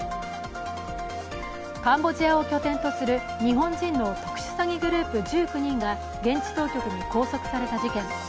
カンボジアを拠点とする日本人の特殊詐欺グループ１９人が現地当局に拘束された事件。